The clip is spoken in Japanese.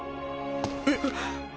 えっ！